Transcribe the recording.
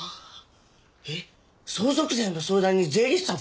えっ相続税の相談に税理士さん